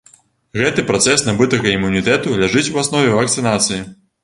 Гэты працэс набытага імунітэту ляжыць у аснове вакцынацыі.